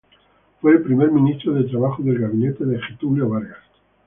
Fue el primer ministro de Trabajo del gabinete de Getúlio Vargas.